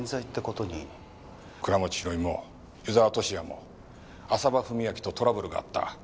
倉持広美も湯沢敏也も浅羽史明とトラブルがあった。